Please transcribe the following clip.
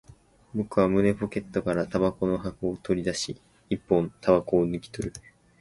僕は胸ポケットから煙草の箱を取り出し、一本煙草を抜き取る